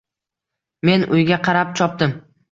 Men uyga qarab chopdim